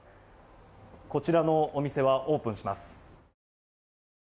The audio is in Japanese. こちらのお店はオープンします。